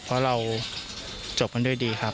เพราะเราจบกันด้วยดีครับ